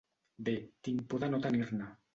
Bé, tinc por de no tenir-ne.